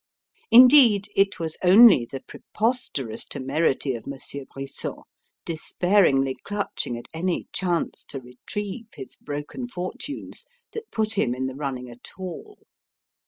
Indeed, it was only the preposterous temerity of Monsieur Brisson despairingly clutching at any chance to retrieve his broken fortunes that put him in the running at all.